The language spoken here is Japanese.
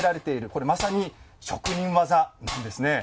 これまさに職人技なんですね。